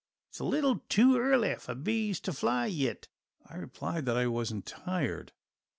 It's a little too early fer bees to fly yit." I replied that I wasn't tired.